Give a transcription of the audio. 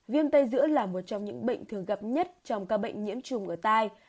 viêm tay giữa là một trong những bệnh thường gặp nhất trong ca bệnh nhiễm trùng ở tai